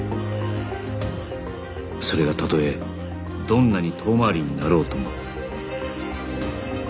それがたとえどんなに遠回りになろうとも